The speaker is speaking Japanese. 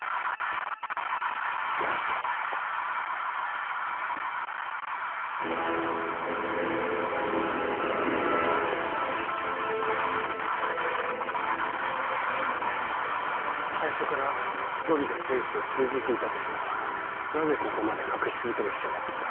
しかし最初からゴビが政府と通じていたとしたらなぜここまで隠し続ける必要があったんだ？